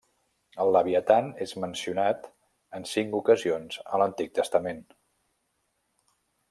El Leviatan és mencionat en cinc ocasions a l'Antic Testament.